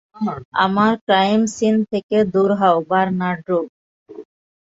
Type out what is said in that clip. আমার crime scene থেকে দূর হও, বার্নার্ডো।